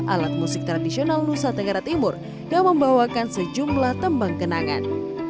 alat musik tradisional nusa tenggara timur yang membawakan sejumlah tembang kenangan